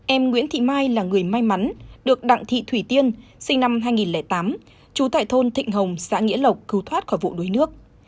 em nguyễn thị mai là người may mắn được đặng thị thủy tiên sinh năm hai nghìn tám trú tại thôn thịnh hồng xã nghĩa lộc cứu thoát khỏi vụ đuối nước